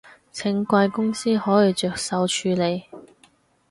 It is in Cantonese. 請貴公司可以着手處理